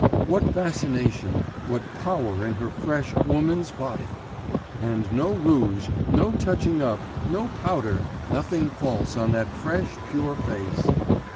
What fascination, what power in her fresh, woman's body! And no rouge, no touching up, no powder, nothing false on that fresh pure face....